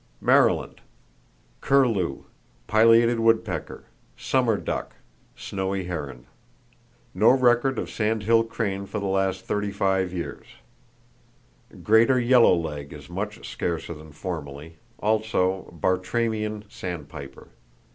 Maryland: Curlew, pileated woodpecker, summer duck, snowy heron. No record of sandhill crane for the last 35 years. Greater yellow leg is much scarcer than formerly, also Bartramian sandpiper.